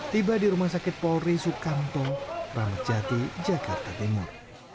tiba di rumah sakit polri sukanto ramadjati jakarta timur